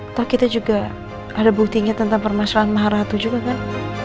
entah kita juga ada buktinya tentang permasalahan maharatu juga kan